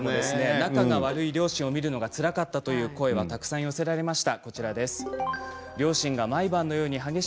仲が悪い両親を見るのがつらかったという声が多く寄せられました。